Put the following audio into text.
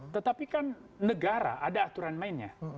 tetapi kan negara ada aturan mainnya